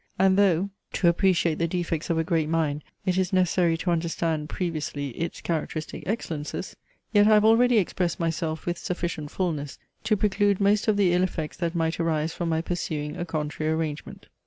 And though, to appreciate the defects of a great mind it is necessary to understand previously its characteristic excellences, yet I have already expressed myself with sufficient fulness, to preclude most of the ill effects that might arise from my pursuing a contrary arrangement.